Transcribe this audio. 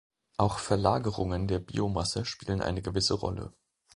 Auch Verlagerungen der Biomasse spielen eine gewisse Rolle.